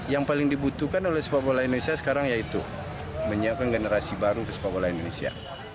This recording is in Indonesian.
yang paling dibutuhkan oleh sepak bola indonesia sekarang yaitu menyiapkan generasi baru sepak bola indonesia